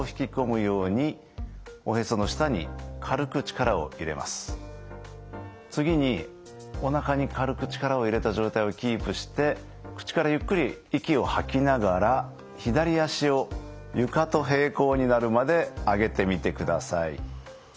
次におなかに軽く力を入れた状態をキープして口からゆっくり息を吐きながら左足を床と並行になるまで上げてみてください。